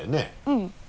うん。